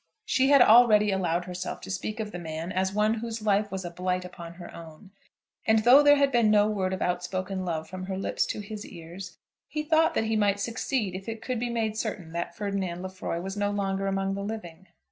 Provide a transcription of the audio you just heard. She had already allowed herself to speak of the man as one whose life was a blight upon her own; and though there had been no word of out spoken love from her lips to his ears, he thought that he might succeed if it could be made certain that Ferdinand Lefroy was no longer among the living.